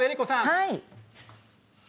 はい。